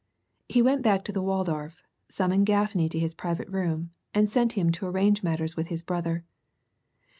He went back to the Waldorf, summoned Gaffney to his private room, and sent him to arrange matters with his brother.